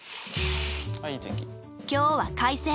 今日は快晴！